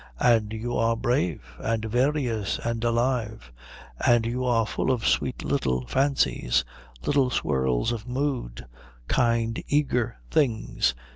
"And you are brave, and various, and alive. And you are full of sweet little fancies, little swirls of mood, kind eager things.